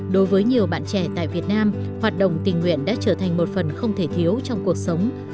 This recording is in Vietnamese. đối với nhiều bạn trẻ tại việt nam hoạt động tình nguyện đã trở thành một phần không thể thiếu trong cuộc sống